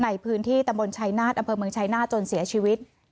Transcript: ในพื้นที่ตะบลชัยนาธิ์ตะบลเมืองชัยนาธิ์จนเสียชีวิต